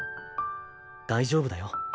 大丈夫だよ。